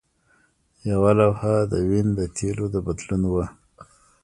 یوه لوحه د وین د تیلو د بدلون وه